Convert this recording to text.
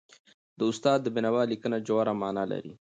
د استاد د بينوا لیکنه ژوره معنا لري.